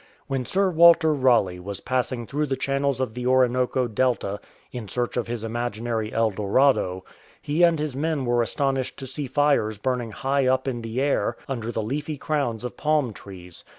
When Sir Walter Raleigh was passing through the channels of the Orinoco delta in search of his imaginary El Dorado, he and his men were astonished to see fires burning high up in the air under the leafy crowns of palm trees.